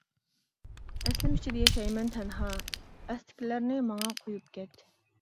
ئەسلىمە ئىچىدە ياشايمەن تەنھا، ئەستىلىكلەرنى ماڭا قويۇپ كەت.